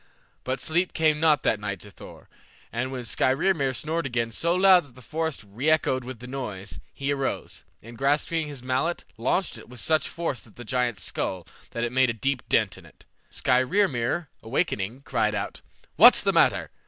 But sleep came not that night to Thor, and when Skrymir snored again so loud that the forest reechoed with the noise, he arose, and grasping his mallet launched it with such force at the giant's skull that it made a deep dint in it. Skrymir, awakening, cried out, "What's the matter?